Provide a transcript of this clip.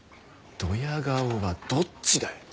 ドヤ顔はどっちだよ！